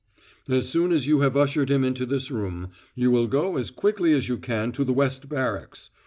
"As soon as you have ushered him into this room, you will go as quickly as you can to the West Barracks.